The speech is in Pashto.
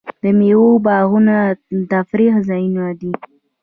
د میوو باغونه د تفریح ځایونه دي.